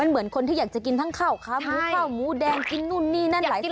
เหมือนคนที่อยากจะกินทั้งข้าวขาหมูข้าวหมูแดงกินนู่นนี่นั่นหลายที่